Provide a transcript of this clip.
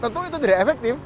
tentu itu jadi efektif